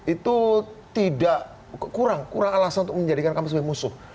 itu tidak kurang kurang alasan untuk menjadikan kami sebagai musuh